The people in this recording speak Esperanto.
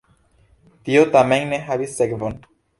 Tio tamen ne havis sekvon.